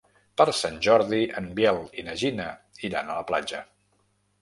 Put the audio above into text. Per Sant Jordi en Biel i na Gina iran a la platja.